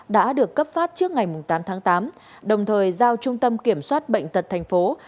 đã được cấp phát trước ngày tám tháng tám đồng thời giao trung tâm kiểm soát bệnh tật thành phố